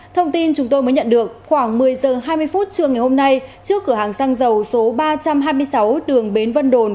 thông tin chúng tôi mới nhận được khoảng một mươi h hai mươi phút trưa ngày hôm nay trước cửa hàng xăng dầu số ba trăm hai mươi sáu đường bến vân đồn